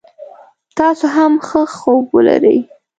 تاسو هم ښه خوب ولری